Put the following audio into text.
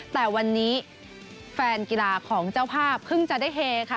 แต่วันนี้แฟนกีฬาของเจ้าภาพเพิ่งจะได้เฮค่ะ